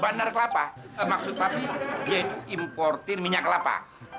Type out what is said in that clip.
bandar kelapa maksud papi dia itu importer minyak kelapa